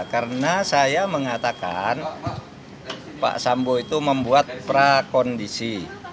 karena saya mengatakan pak sambu itu membuat prakondisi